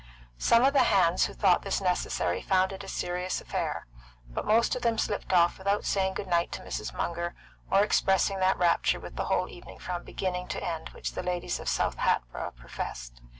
Some of the hands who thought this necessary found it a serious affair; but most of them slipped off without saying good night to Mrs. Munger or expressing that rapture with the whole evening from beginning to end which the ladies of South Hatboro' professed.